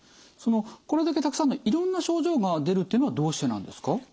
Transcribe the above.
そのこれだけたくさんのいろんな症状が出るっていうのはどうしてなんですか？